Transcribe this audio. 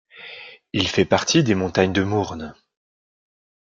Il fait partie des montagnes de Mourne.